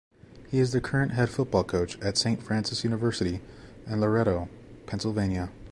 He is the current head football coach at Saint Francis University in Loretto, Pennsylvania.